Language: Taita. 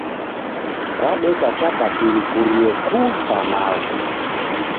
Kwadeka chapati rikurie kuu sa magho